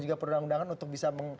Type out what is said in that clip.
juga perundang undangan untuk bisa